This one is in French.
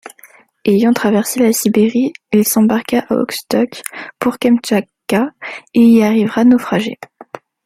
Ayant traversé la Sibérie, il s’embarqua à Okhotsk pour Kamtchatka et y arriva naufragé.